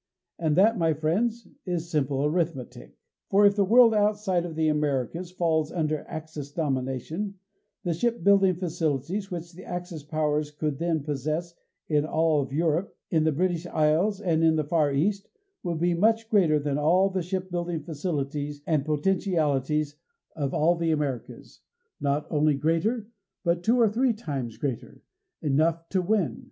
And that, my friends, is simple arithmetic. For if the world outside of the Americas falls under Axis domination, the shipbuilding facilities which the Axis powers would then possess in all of Europe, in the British Isles and in the Far East would be much greater than all the shipbuilding facilities and potentialities of all of the Americas not only greater, but two or three times greater enough to win.